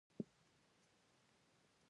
احمد خپل پېټی دروند کړ.